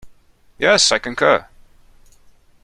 Yes, I concur.